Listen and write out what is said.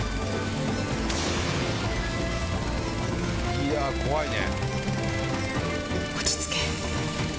いや怖いね。